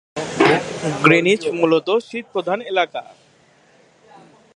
Greenidge মূলত শীতপ্রধান এলাকা।